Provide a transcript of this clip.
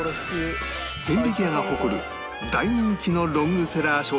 千疋屋が誇る大人気のロングセラー商品です